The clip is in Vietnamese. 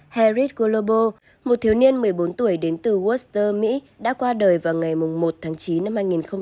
harris global một thiếu niên một mươi bốn tuổi đến từ worcester mỹ đã qua đời vào ngày một tháng chín năm hai nghìn hai mươi ba